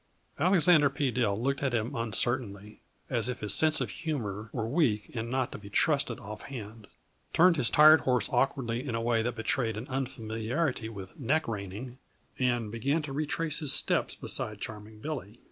Alexander P. Dill looked at him uncertainly, as if his sense of humor were weak and not to be trusted off hand; turned his tired horse awkwardly in a way that betrayed an unfamiliarity with "neck reining," and began to retrace his steps beside Charming Billy.